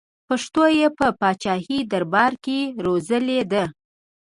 پښتو یې په پاچاهي دربار کې روزلې ده.